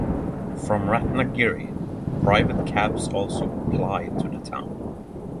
From Ratnagiri, private cabs also ply to the town.